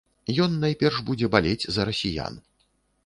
Ён найперш будзе балець за расіян.